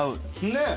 ねえ。